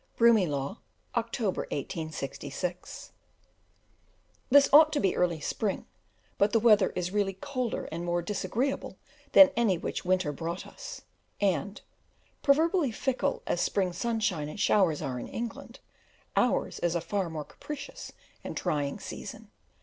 Broomielaw, October 1866. This ought to be early spring, but the weather is really colder and more disagreeable than any which winter brought us; and, proverbially fickle as spring sunshine and showers are in England, ours is a far more capricious and trying season.